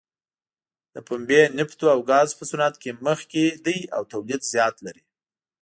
د پنبې، نفتو او ګازو په صنعت کې مخکې دی او تولید زیات لري.